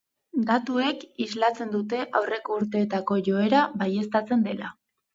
Datuek islatzen dute aurreko urteetako joera baieztatzen dela.